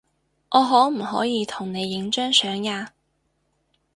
我可唔可以同你影張相呀